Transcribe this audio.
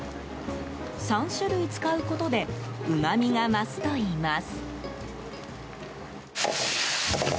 ３種類使うことでうまみが増すといいます。